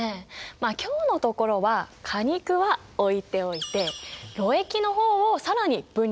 まあ今日のところは果肉は置いておいてろ液の方を更に分離できないかな？